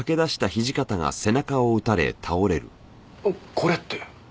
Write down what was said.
これって。